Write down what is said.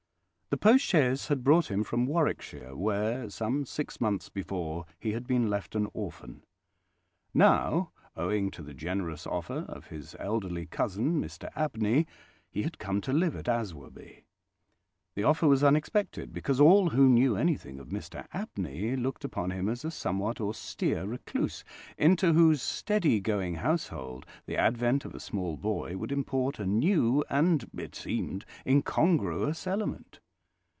The post chaise had brought him from Warwickshire, where, some six months before, he had been left an orphan. Now, owing to the generous offer of his elderly cousin, Mr Abney, he had come to live at Aswarby. The offer was unexpected, because all who knew anything of Mr Abney looked upon him as a somewhat austere recluse, into whose steady going household the advent of a small boy would import a new and, it seemed, incongruous element.